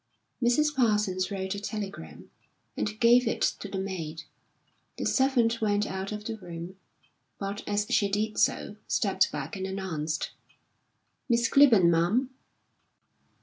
Mrs. Parsons wrote a telegram, and gave it to the maid. The servant went out of the room, but as she did so, stepped back and announced: "Miss Clibborn, ma'am."